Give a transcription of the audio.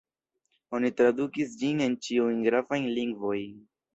Oni tradukis ĝin en ĉiujn gravajn lingvojn.